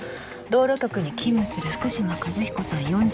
道路局に勤務する福島和彦さん